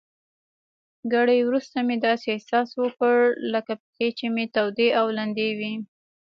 ګړی وروسته مې داسې احساس وکړل لکه پښې چي مې تودې او لندې وي.